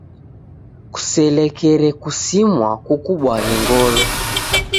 Kuselekere kusimwa kukubwaghe ngolo.